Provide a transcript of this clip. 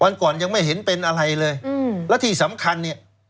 วันก่อนยังไม่เห็นเป็นอะไรเลยอืมแล้วที่สำคัญเนี่ย